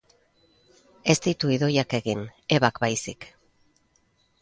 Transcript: Ez ditu Idoiak egin, Ebak baizik.